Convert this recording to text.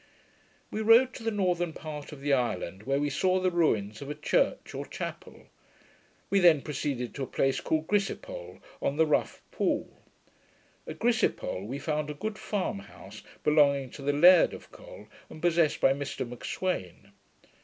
We rode to the northern part of the island, where we saw the ruins of a church or chapel. We then proceeded to a place called Grissipol, or the Rough Pool. At Grissipol we found a good farm house, belonging to the Laird of Col, and possessed by Mr M'Sweyn.